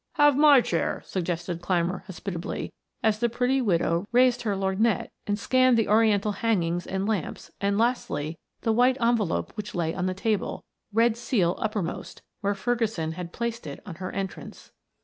"Have my chair," suggested Clymer hospitably as the pretty widow raised her lorgnette and scanned the Oriental hangings and lamps, and lastly, the white envelope which lay on the table, red seal uppermost, where Ferguson had placed it on her entrance.